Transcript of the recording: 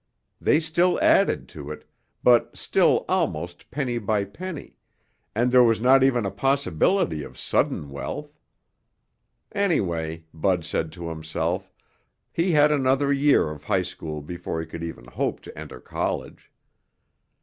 They still added to it, but still almost penny by penny, and there was not even a possibility of sudden wealth. Anyway, Bud said to himself, he had another year of high school before he could even hope to enter college.